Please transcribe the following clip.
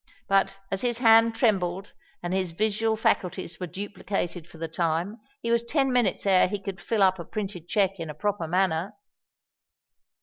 But, as his hand trembled and his visual faculties were duplicated for the time, he was ten minutes ere he could fill up a printed cheque in a proper manner.